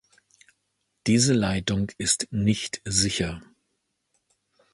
Diese Leitung ist nicht sicher.